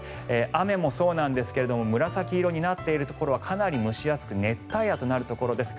雨もそうなんですが紫色になっているところはかなり蒸し暑く熱帯夜となるところです。